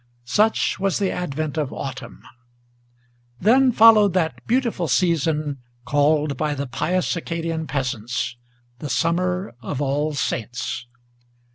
Such was the advent of autumn. Then followed that beautiful season, Called by the pious Acadian peasants the Summer of All Saints!